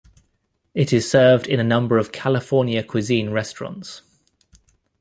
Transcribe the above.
It is served in a number of California Cuisine restaurants.